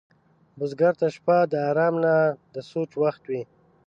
بزګر ته شپه د آرام نه، د سوچ وخت وي